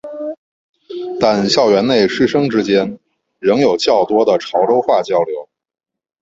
但校园内师生之间仍有较多的潮州话交流。